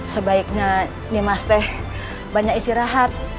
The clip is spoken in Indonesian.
sebaiknya ini mas teh banyak istirahat